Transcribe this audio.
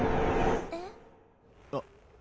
えっ？あっ。